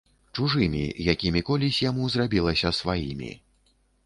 Чужымі, якімі колісь яму зрабілася сваімі.